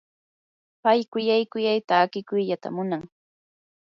pay quyay quyay takikuyllatam munan.